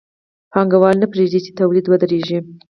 پانګوال نه پرېږدي چې تولید ودرېږي